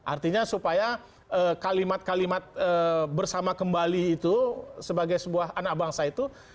artinya supaya kalimat kalimat bersama kembali itu sebagai sebuah anak bangsa itu